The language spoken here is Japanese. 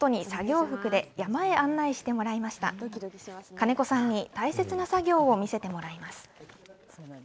金子さんに大切な作業を見せてもらいます。